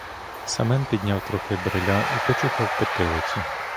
Семен підняв трохи бриля і почухав потилицю.